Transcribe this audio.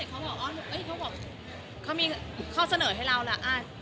ถ้าเกิดช่องเจ็ดเขาบอกเอ้ยเขาบอกเขามีข้อเสนอให้เราล่ะอ่า